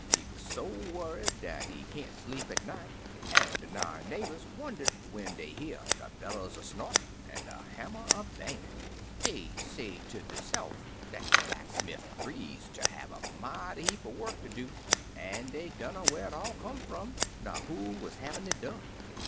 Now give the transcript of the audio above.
He wuz so wonied dat he can't sleep at night, an' de nigh neighbors wondered when dey hear de bellus a snortin' an' de hammer a bang in\ Dey say ter deyse'f dat de blacksmifT bleeze ter have a mighty heap er work ter do, an* dey dunner whar it all come fum, ner who wuz havin' it done.